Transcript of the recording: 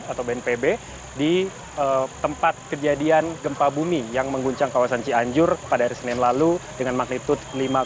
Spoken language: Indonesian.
atau bnpb di tempat kejadian gempa bumi yang mengguncang kawasan cianjur pada hari senin lalu dengan magnitud lima tujuh